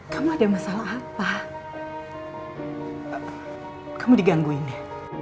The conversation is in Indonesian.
kamu ada masalah apa kamu digangguin ya